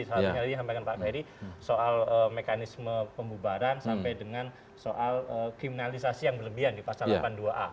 satu hal yang disampaikan pak ferry soal mekanisme pembubaran sampai dengan soal kriminalisasi yang berlebihan di pasal delapan puluh dua a